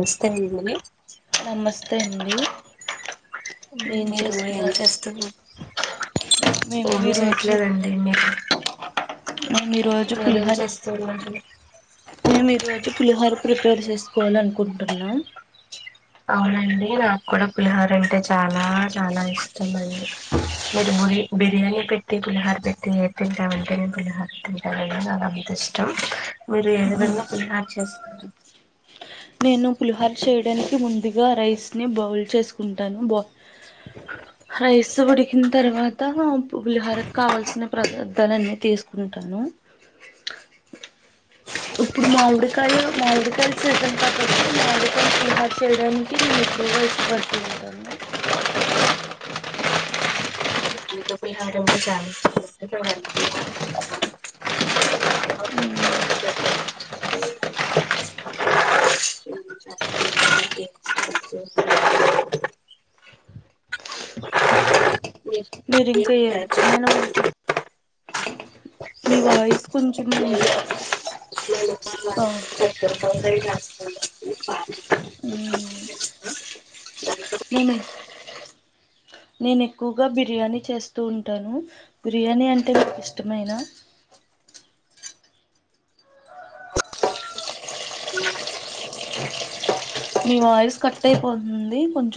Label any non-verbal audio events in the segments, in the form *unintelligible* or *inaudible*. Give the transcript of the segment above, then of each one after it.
వస్తంగునె review మీరు ఏం చేస్తురు మేము ఏం ఈరోజు చేయట్లేదండి మీరు మేము ఈరోజు మీరేం పులిహోర చేస్తున్నారు మేము ఈరోజు పులిహోర ప్రిపేర్ చేసుకోవాలఅనుకుంటున్నాం. అవునండి నాకు కూడా పులిహార్ అంటే చాలా చాలా ఇష్టం అండి అవునండి నాక్ కాడా పులిహోర అంటే చాలా చాలా ఇష్టం, అండి మీరు బురి బిర్యానీ పెట్టి పులిహార పెట్టి ఏది తింటావంటే నేను పులిహార తింటానండి నాకు అంత ఇష్టం, మీరు ఏ విధంగా పులిహార్ చేస్తార్ నేను పులిహోర చేయడానికి ముందుగా రైస్ ని బావుల్ చేస్కుంటాను, బా రైస్ ఉడికిన తర్వాత పులిహోర కావాల్సిన పదార్థాలన్ని తీసుకుంటాను, ఇప్పుడు మామిడికాయలు మామిడికాయలు సీసన్ *unintelligible* చేయడానికి నేను ఎక్కువగా ఇష్టపడుతుఉంటాను మనింట్లో పులిహర ఉంటే చాలు *unintelligible* మీరింకా ఏ రకమైన వంట్ మీ వాయిస్ కొంచం పులిహార ఉంది ఆ *inaudible* హ్మ్ నేను నేను ఎక్కువగా బిర్యానీ చేస్తూ ఉంటాను బిర్యానీ అంటే నాకు ఇష్టమైన మీ వాయిస్ కట్ అయిపోతుంది కొంచ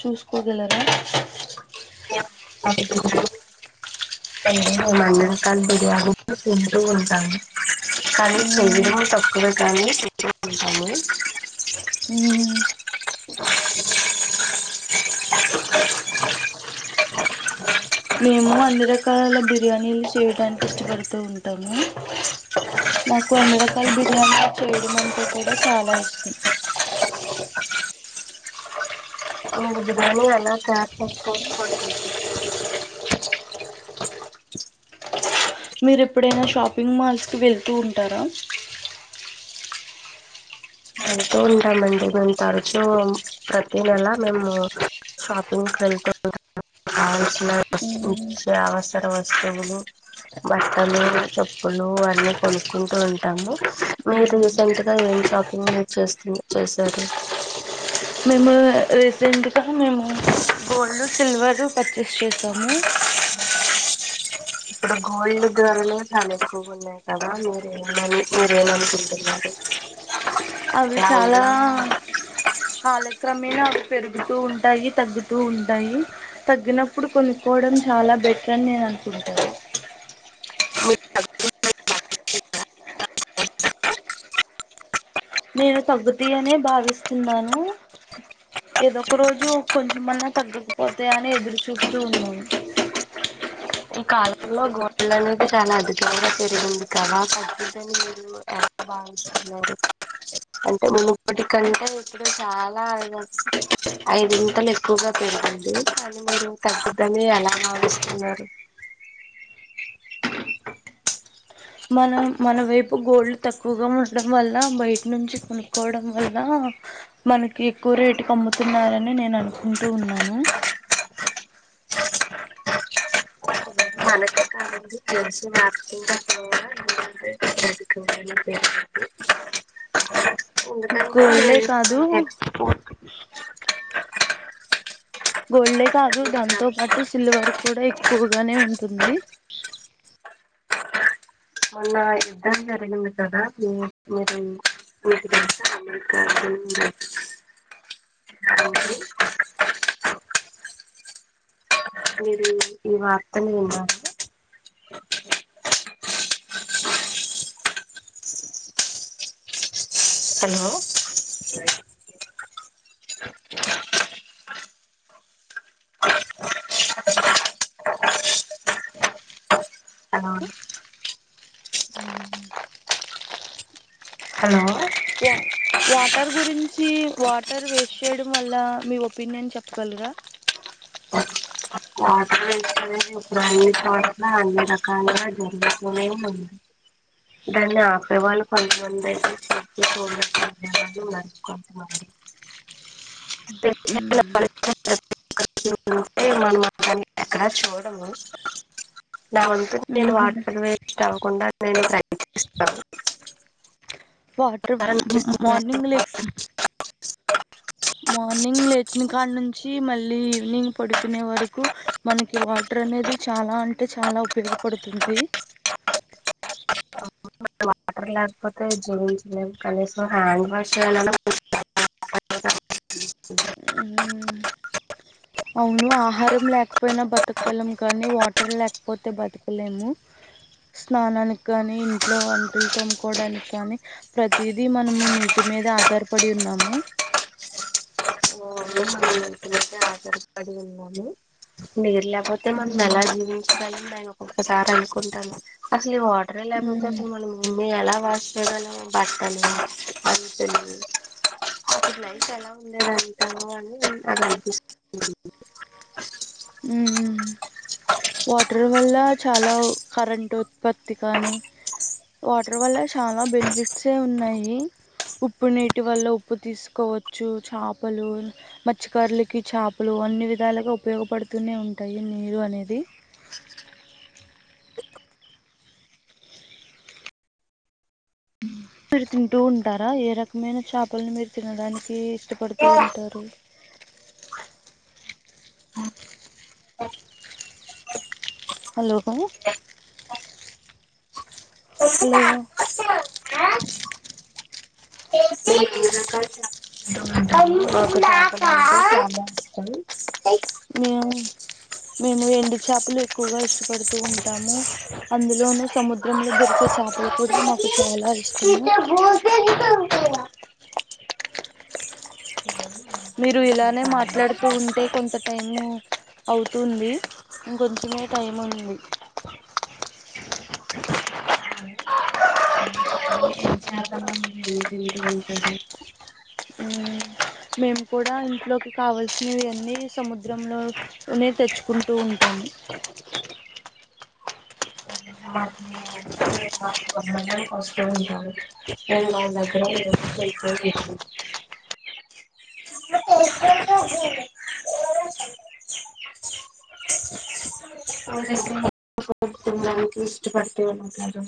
చూసుకోగలరా *inaudible* ఏమాన్నా కానీ బిర్యానీ తింటూ ఉంటాను కానీ మ్మ్ శరీరం తక్కువ కానీ తింటూ ఉంటాను మ్మ్ మేము అన్ని రకాలల బిర్యానీలు చేయడానికి ఇష్టపడుతూ ఉంటాము, నాకు అన్ని రకాల బిర్యానీలు చేయడం అంటే కూడా చాలా ఇష్టం. బిర్యాని ఎలా తయారు చేస్కోవచ్చు మీరు ఎప్పుడైనా షాపింగ్ మాల్స్ కి వెళ్తూ ఉంటారా వెళ్తూ ఉంటామండి మేము తరచూ ప్రతీ నెల మేము షాపింకు వెళ్తూ ఉంటామ్ మ్మ్. కావల్సినతే అవసర వస్తువులు బట్టలు చెప్పులు అన్నీ కొనుక్కుంటూ ఉంటాము. మీరు రీసెంట్గా ఏం షాపింగ్ చేస్తూ చేశారు. మేము రీసెంట్గా మేము గోల్డ్ సిల్వర్ పర్చేస్ చేసాము ఇప్పుడు గోల్డ్ ధరలు చాలా ఎక్కువగా ఉన్నాయి కదా! మీరేమని మీరేమనుకుంటున్నారు? అవి ఇలా చాలా ఉండడం ఆలక్రమేణ పెరుగుతూ ఉంటాయి తగ్గుతూ ఉంటాయి తగ్గినప్పుడు కొనుక్కోవడం చాలా బెటర్ అని నేను అనుకుంటా. నేను తగ్గుతాయనే అనే భావిస్తున్నాను. ఏదో ఒక రోజు కొంచెంమన్న తగ్గకపోతాయా అని ఎదురు చూస్తూ ఉన్నాను. ఈ కాలంలో గోల్డ్ అనేది చాలా అధికంగా పెరిగింది కదా తగ్గుద్దని మీరు ఎలా భావిస్తున్నారు అంటే మునుపటికంటే ఇప్పుడు చాలా ఐదింతలు ఎక్కువగా పెరిగింది కానీ మీరు తగ్గుద్దని ఎలా భావిస్తున్నారు. మనం మన వైపు గోళ్లు తక్కువగా ఉండడం వల్ల బయట నుంచి కొనుక్కోవడం వల్ల మనకి ఎక్కువ రేటు కి అమ్ముతున్నారు. అని నేను అనుకుంటూ ఉన్నాను. మనకి కావలి తెలుసు ఇ అకుంటదిద *unintelligible* ఎందుకంటే గోల్డే కాదు మనకి ఎక్స్పోర్ట్ గోల్డే కాదు దాంతో ఫ్లవర్స్ పాటు సిల్వర్ కూడా ఎక్కువగానే ఉంటుంది. మొన్న యుద్ధం జరిగింది కదా మీ మీరు మీకు తెలుసా *unintelligible* మీది ఈ వార్తను విన్నార! హలో! హలో అండి హలో వ వాటర్ గురించి వాటర్ వేస్ట్ చేయడం వల్ల మీ ఒపీనియన్ చెప్పగలరా? వాటర్ ఇప్పుడు అన్ని చోట్ల అన్ని రకాలుగా జరుగుతూనే ఉంది. దాన్ని ఆపేవాళ్ళు కొంతమంది అయితే చూసి చూడనట్టు *unintelligible* మరి కొంతమంది మనం అ *unintelligible* ఎక్కడా చూడము నా వతు నేను వాటర్ వేస్ట్ అవ్వకుండా నేను ప్రయత్నిస్తాను. వాటర్ ఎలా అనిపిస్తుంది అసలు మార్నింగ్ లెక్స్ వాటర్ మార్నింగ్ లేచిన కాన్ నుంచి మళ్ళీ ఈవినింగ్ పడుకునే వరకు మన వాటర్ అనేది చాలా అంటే చాలా ఉపయోగపడుతుంది. వాటర్ లేకపోతే జిమ్స్ లేము కనీసం హ్యాండ్ వాష్ చేయాలన్న *unintelligible* మ్ అవును ఆహారం లేకపోయినా బతగలేము కానీ వాటర్ లేకపోతే బతకలేము స్నానానికి కానీ ఇంట్లో అంటులు తోముకోవడానికి కానీ ప్రతిదీ మనము నీటి మీద ఆధారపడి యున్నాము. పడి ఉన్నాము నీర్ లేకపోతే మనం ఎలా జీవించగలం మ్యాయో ఒకసారి అనుకుంటాను ఈ వాటర్ లేకపోతే ఉమ్ మనం మేము ఎలా వాష్ చేయగలము. బట్టలు అంచులు అప్పటి లైఫ్ ఎలా ఉండేది అంటాము అని అనిపిస్తూ మ్ మ్ మ్ వాటర్ వల్ల చాలా కరెంటు ఉత్పత్తి కానీ వాటర్ వల్ల చాలా బెనిఫిట్సే ఉన్నాయి. ఉప్పు నీటి వల్ల ఉప్పు తీసుకోవచ్చు చేపలు మత్స్యకారులకి చేపలు అన్ని విధాలుగా ఉపయోగపడుతూనే ఉంటాయి నీరు అనేది. మీరు తింటూ ఉంటారా ఏ రకమైన చేపల్ని మీరు తినడానికి ఇ ఇష్టపడుతూ ఉంటారు హలో నాకు హలో *unintelligible* మేము మేము ఎండు చెప లు ఎక్కువగా ఇష్టపడుతూ ఉంటాము అందులోనూ సముద్రంలో దొరికే చేపలు కూడా నాకు చాలా ఇష్ట తే భూతే మీరు చాలా ఇలానే మాట్లాడుతూ ఉంటే కొంత టైం అవుతుంది ఇంకొంచమే టైం ఉంది ఇష్టం నాకు చాలా ఇష్టం ఏ చేపలు మీరు తింటూ ఉంటారు మేము కూడా ఇంట్లోకి కావాల్సినవివన్నీ సముద్రంలోనే తెచ్చుకుంటూ ఉంటాము కష్టం ఉంటారుం నా గ్నం *inaudible* ఇష్టపడిన్న